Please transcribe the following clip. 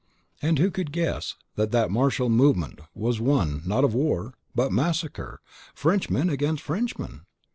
And who could guess that that martial movement was one, not of war, but massacre, Frenchmen against Frenchmen?